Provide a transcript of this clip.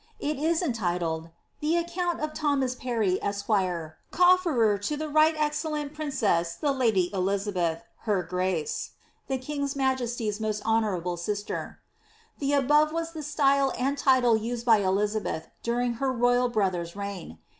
It is entitled, '^The Account of Thomas Parry, Esq., Cofferer to the Right Excellent Princess the Lady Elizabeth, her Grace, the King's Majesty^s Most Hon ourable Sister." The above was the style and title used by Elizabeth during her royal brother's reign.